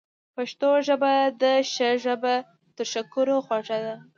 پښتو ژبه ده ښه ژبه، تر شکرو خوږه ژبه